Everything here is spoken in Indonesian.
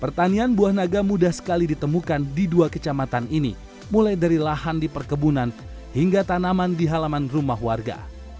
pertanian buah naga mudah sekali ditemukan di dua kecamatan ini mulai dari lahan di perkebunan hingga tanaman di halaman rumah warga